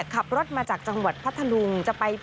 ขับรถมาจากจังหวัดพัทธลุง